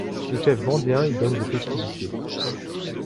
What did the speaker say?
Le chef vendéen y donne des festivités.